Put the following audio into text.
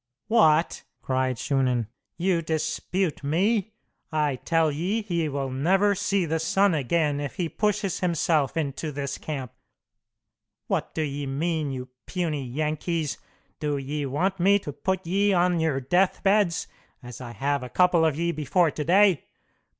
"What!" cried Shunan. "You dispute me? I tell ye he will never see the sun again if he pushes himself into this camp. What do ye mean, you puny Yankees? Do ye want me to put ye on your death beds, as I have a couple of ye before to day?